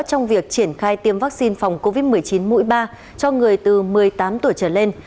trong việc triển khai tiêm vaccine phòng covid một mươi chín mũi ba cho người từ một mươi tám tuổi trở lên